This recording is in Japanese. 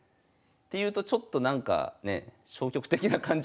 っていうとちょっとなんかね消極的な感じもしますけど。